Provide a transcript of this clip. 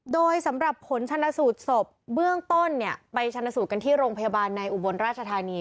โดยสำหรับผลชนะสูตรศพเบื้องต้นเนี่ยไปชนสูตรกันที่โรงพยาบาลในอุบลราชธานี